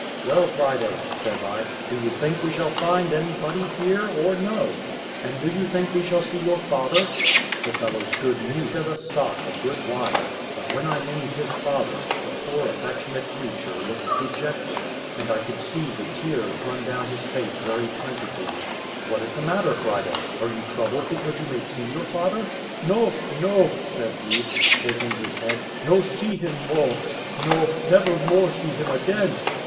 "Well, Friday," says I, "do you think we shall find anybody here or no? and do you think we shall see your father?" The fellow stood mute as a stock a good while; but when I named his father, the poor affectionate creature looked dejected, and I could see the tears run down his face very plentifully. "What is the matter, Friday? are you troubled because you may see your father?" "No, no," says he, shaking his head, "no see him more: no, never more see him again."